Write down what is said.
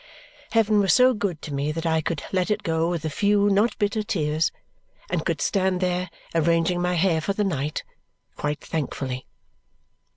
Heaven was so good to me that I could let it go with a few not bitter tears and could stand there arranging my hair for the night quite thankfully.